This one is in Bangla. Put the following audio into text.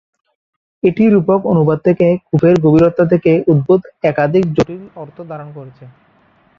এটি রূপক অনুবাদ থেকে "কূপের গভীরতা" থেকে উদ্ভূত একাধিক জটিল অর্থ ধারণ করেছে।